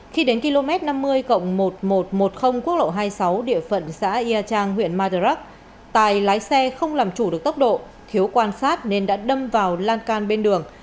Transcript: khi đến km năm mươi một nghìn một trăm một mươi quốc lộ hai mươi sáu địa phận xã ia trang huyện madurak tài lái xe không làm chủ được tốc độ thiếu quan sát nên đã đâm vào lan can bên đường